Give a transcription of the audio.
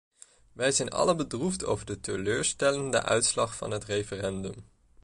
Wij zijn allen bedroefd over de teleurstellende uitslag van het referendum.